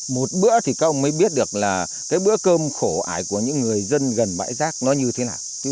một bữa thì công mới biết được là cái bữa cơm khổ ải của những người dân gần bãi giác nó như thế nào